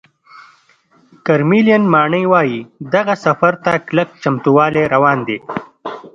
کرملین ماڼۍ وایي، دغه سفر ته کلک چمتووالی روان دی